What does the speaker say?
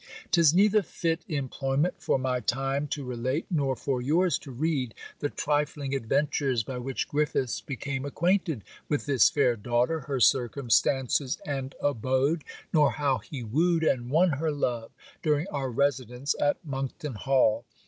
'Tis neither fit employment for my time to relate, nor for your's to read, the trifling adventures by which Griffiths became acquainted with this fair daughter, her circumstances and abode; nor how he wooed and won her love during our residence at Monkton Hall.